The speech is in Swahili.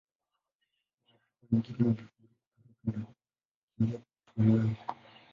Waafrika wengine walifaulu kutoroka na kukimbia porini.